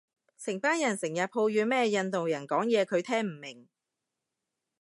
成班人成人抱怨咩印度人講嘢佢聽唔明